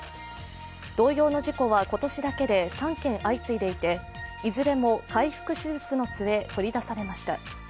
同様の事故は今年だけで３件相次いでいて、いずれも開腹手術の末、取り出されました。